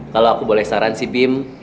kalau aku boleh saran si bim